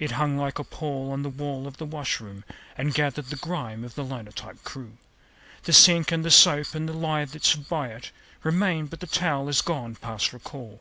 It hung like a pall on the wall of the washroom, And gathered the grime of the linotype crew. The sink and the soap and the lye that stood by it Remain; but the towel is gone past recall.